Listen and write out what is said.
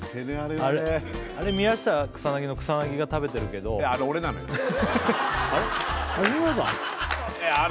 あれ宮下草薙の草薙が食べてるけどあれ俺なのよあれ！？